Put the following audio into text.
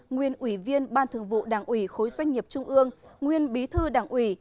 nguyên ủy viên ban thường vụ đảng ủy khối doanh nghiệp trung ương nguyên bí thư đảng ủy